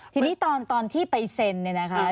ทีนี้ตอนที่ไปเซ็นเนี่ยนะคะ